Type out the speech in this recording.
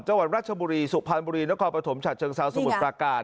จังหวัดรัชบุรีสุพราณบุรีนะครปฐมฉัตร์เชิงซาวสวรรคาการ